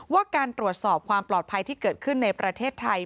ว่าการตรวจสอบความปลอดภัยที่เกิดขึ้นในประเทศไทย